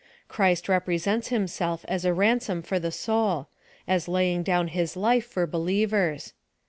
Christ represents himself as a ransom for the soul ; as laying down his life for believers.